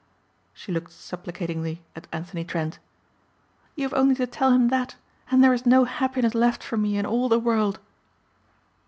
'" She looked supplicatingly at Anthony Trent. "You have only to tell him that and there is no happiness left for me in all the world."